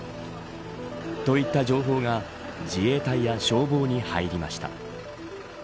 といった情報が自衛隊や消防に入りました。